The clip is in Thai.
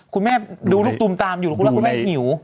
คุณแม่ดูลูกตูมตามอยู่แล้วคุณแม่หิว